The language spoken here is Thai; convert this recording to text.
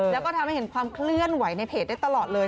แล้วก็ทำให้เห็นความเคลื่อนไหวในเพจได้ตลอดเลย